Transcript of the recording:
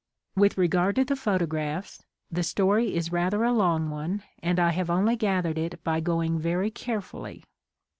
With regard to the photographs, the story is rather a long one and I have only gath ered it by going very carefully.